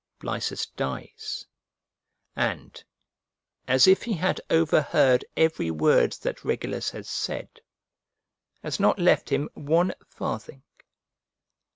Blaesus dies, and, as if he had overheard every word that Regulus had said, has not left him one farthing.